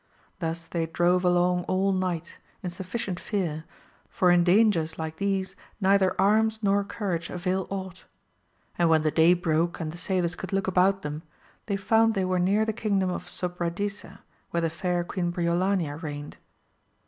Thus they drove along all night, in sufficient fear, for in dangers like thes9 neither arms nor courage avail aught ; and when the day broke and the sailors could look about them, they found they were near the kingdom of Sobradisa where the fair Queen Briolania reigned.